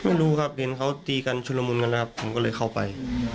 ไม่รู้ครับเห็นเขาตีกันชุดละมุนกันนะครับผมก็เลยเข้าไป